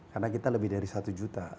karena kita lebih dari satu juta